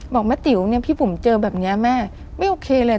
บอกแม่ติ๋วเนี่ยพี่บุ๋มเจอแบบนี้แม่ไม่โอเคเลย